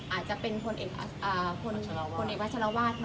อาจจะเป็นพลเอกวัชรวาส